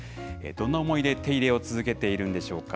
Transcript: どんな思いで手入れを続けているんでしょうか。